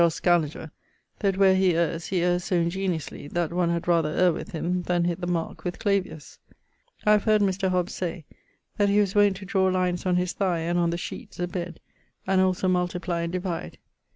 Scaliger, that where he erres, he erres so ingeniosely, that one had rather erre with him then hitt the mark with Clavius. I have heard Mr. Hobbes say that he was wont to draw lines on his thigh and on the sheetes, abed, and also multiply and divide.